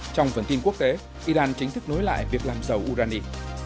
trong phần tin quốc tế iran chính thức nối lại việc làm dầu urani